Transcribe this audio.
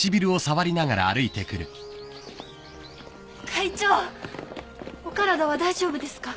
会長お体は大丈夫ですか？